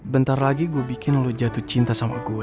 bentar lagi gua bikin lu jatuh cinta sama gue